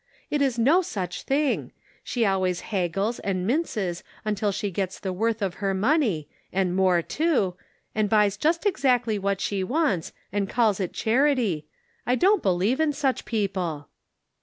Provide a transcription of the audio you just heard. It is no such thing ; she always haggles and minces until she gets the worth of her money, and more too, and buys just exactly what she wants, and calls it charity. I don't believe in such people."